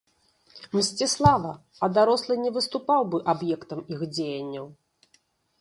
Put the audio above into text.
Мсціслава, а дарослы не выступаў бы аб'ектам іх дзеянняў.